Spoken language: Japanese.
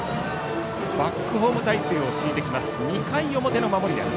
バックホーム態勢を敷いてきます。